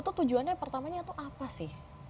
itu tujuannya pertamanya itu apa sih